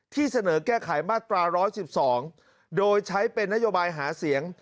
ที่เสนอแก้ไขมาตรา๑๑๒โดยใช้เป็นนโยบายหาเสียง